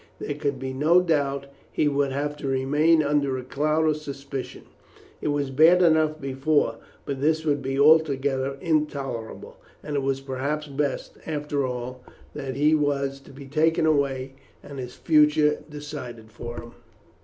There could be no doubt he would have to remain under a cloud of suspicion. It was bad enough before, but this would be altogether intolerable, and it was perhaps best, after all, that he was to be taken away, and his future decided for him.